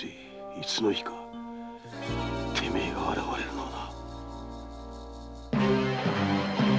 いつの日かてめえが現れるのをな。